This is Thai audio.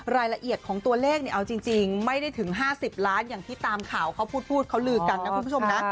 รายละเอียดของตัวเลขเนี่ยเอาจริงไม่ได้ถึง๕๐ล้านอย่างที่ตามข่าวเขาพูดเขาลือกันนะคุณผู้ชมนะ